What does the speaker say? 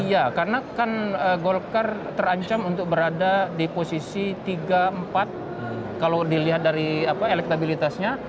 iya karena kan golkar terancam untuk berada di posisi tiga empat kalau dilihat dari elektabilitasnya